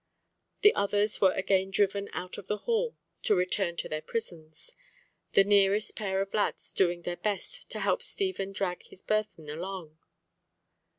The others were again driven out of the hall to return to their prisons; the nearest pair of lads doing their best to help Stephen drag his burthen along.